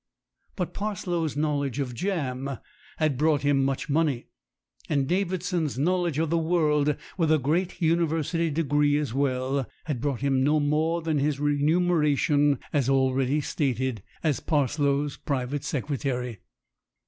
But Parslow's knowledge of jam had brought him much money, and Davidson's knowledge of the world, with a great university de gree as well, had brought him no more than his re muneration, as already stated, as Parslow's private sec retary.